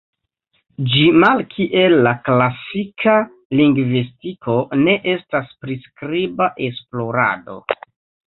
Ĝi malkiel la klasika lingvistiko ne estas priskriba esplorado.